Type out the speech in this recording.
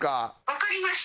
「わかりました」